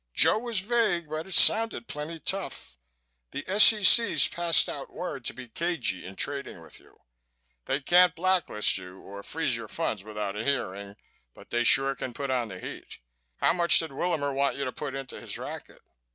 Joe was vague but it sounded plenty tough. The S.E.C.'s passed out word to be cagey in trading with you. They can't black list you or freeze your funds without a hearing, but they sure can put on the heat. How much did Willamer want you to put into his racket?"